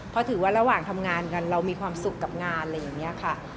เพราะถือว่าระหว่างทำงานกันเรามีความสุขกับงานอะไรอย่างนี้ค่ะ